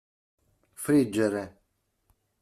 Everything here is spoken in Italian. Friggere.